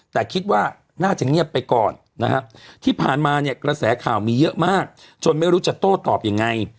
แต่คิดว่าน่าจะเงียบไปก่อนนะฮะที่ผ่านมาเนี่ยกระแสข่าวมีเยอะมากจนไม่รู้จะโต้ตอบยังไง